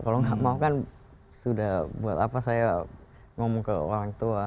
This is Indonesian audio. kalau nggak mau kan sudah buat apa saya ngomong ke orang tua